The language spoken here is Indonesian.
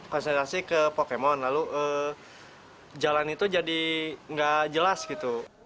konsentrasi ke pokemon lalu jalan itu jadi nggak jelas gitu